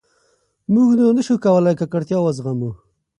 موږ نور نه شو کولای ککړتیا وزغمو.